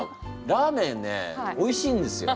ラーメンねおいしいんですよ